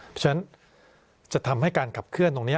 เพราะฉะนั้นจะทำให้การขับเคลื่อนตรงนี้